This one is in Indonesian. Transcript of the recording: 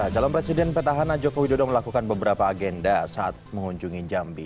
calon presiden petahana joko widodo melakukan beberapa agenda saat mengunjungi jambi